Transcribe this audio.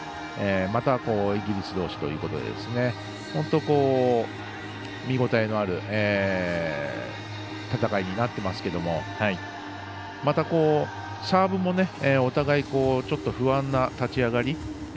またイギリスどうしということで本当に見応えのある戦いになっていますけどもまたサーブもお互いに不安な立ち上がり。